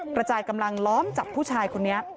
กระจายกำลังล้อมจับผู้ชายคนนี้